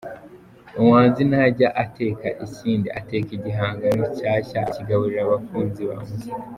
Umuhanzi ntajya ateka ikindi, ateka igihangano cyashya akakigaburira abakunzi ba muzika.